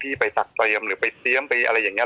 ไปจัดเตรียมหรือไปเตรียมไปอะไรอย่างนี้